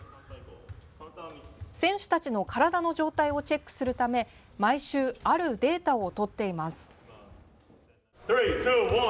選手たちの体の状態をチェックするため毎週、あるデータをとっています。